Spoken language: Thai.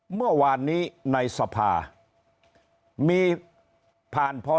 เมื่อวานนี้ในสภา